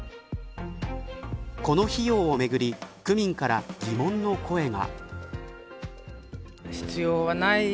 この費用をめぐり区民から疑問の声が。